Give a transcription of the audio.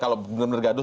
kalau benar benar gaduh